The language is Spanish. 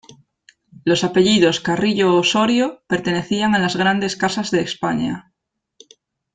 Los apellidos Carrillo-Osorio pertenecían a las grandes Casas de España.